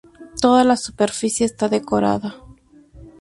Toda la superficie está decorada.